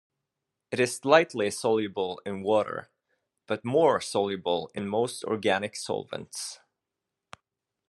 It is slightly soluble in water, but more soluble in most organic solvents.